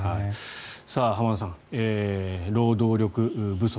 浜田さん、労働力不足。